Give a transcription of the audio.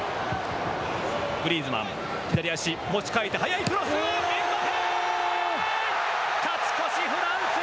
フリーズマン、左足、持ち替えて、速いクロス。